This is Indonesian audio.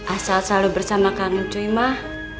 asal selalu bersama kang cu imah